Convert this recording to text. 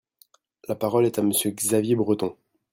La parole est à Monsieur Xavier Breton.